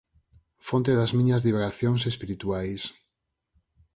fonte das miñas divagacións espirituais.